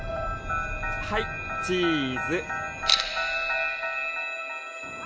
はいチーズ。